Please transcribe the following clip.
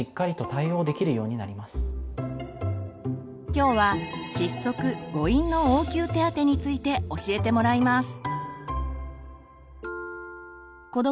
きょうは窒息誤飲の応急手当について教えてもらいます。